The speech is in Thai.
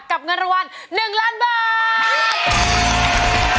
เงินรางวัล๑ล้านบาท